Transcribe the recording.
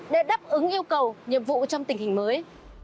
để đáp ứng yêu cầu nhiệm vụ trong tình hình mới